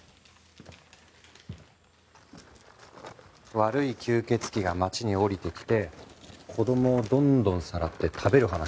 悪い吸血鬼が町に降りてきて子供をどんどんさらって食べる話。